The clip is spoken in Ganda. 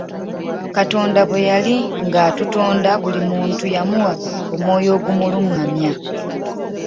Katonda bwe yali nga atutonda buli muntu yamuwa omwoyo ogumulungamya.